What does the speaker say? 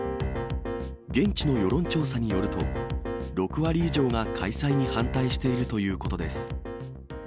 現地の世論調査によると、６割以上が開催に反対しているということです。